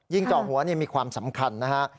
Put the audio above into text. จ่อหัวมีความสำคัญนะฮะ